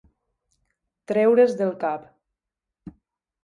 Treure's del cap.